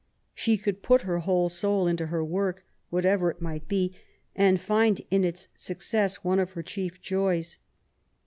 She could put her whole soul into her work, whatever it might be, and find in its success one of her chief joys.